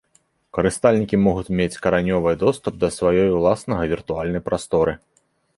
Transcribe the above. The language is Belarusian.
Карыстальнікі могуць мець каранёвай доступ да сваёй ўласнага віртуальнай прасторы.